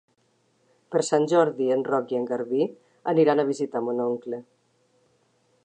Per Sant Jordi en Roc i en Garbí aniran a visitar mon oncle.